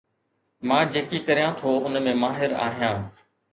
مان جيڪي ڪريان ٿو ان ۾ ماهر آهيان